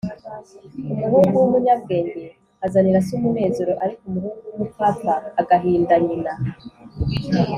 umuhungu w'umunyabwenge azanira se umunezero, ariko umuhungu wumupfapfa agahinda nyina